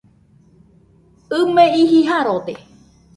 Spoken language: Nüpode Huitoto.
ɨ me iji Jarode